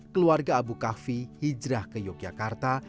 keluarga abu kahfi hijrah ke yogyakarta